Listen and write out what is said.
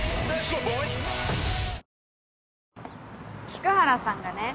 菊原さんがね